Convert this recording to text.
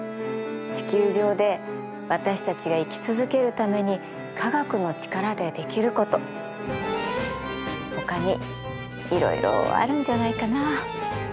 地球上で私たちが生き続けるために科学の力でできることほかにいろいろあるんじゃないかな。